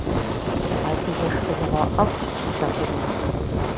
Адыгэ шхыныгъуэ ӏэфӏщ лэкъумыр.